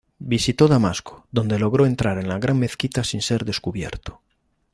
Visitó Damasco, donde logró entrar en la Gran Mezquita sin ser descubierto.